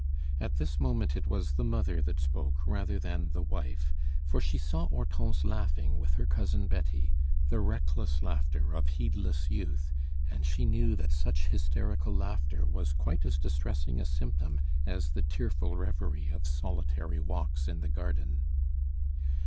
At this moment it was the mother that spoke rather than the wife, for she saw Hortense laughing with her Cousin Betty the reckless laughter of heedless youth; and she knew that such hysterical laughter was quite as distressing a symptom as the tearful reverie of solitary walks in the garden.